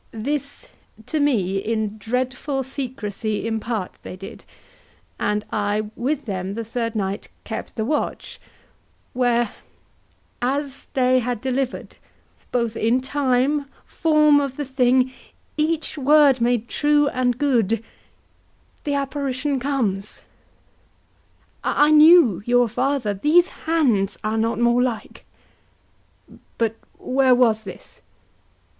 This to me In dreadful secrecy impart they did, And I with them the third night kept the watch, Where, as they had deliver'd, both in time, Form of the thing, each word made true and good, The apparition comes. I knew your father; These hands are not more like. HAMLET. But where was this?